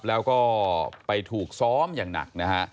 แล้วก็ไปถูกซ้อมอย่างหนักนะฮะ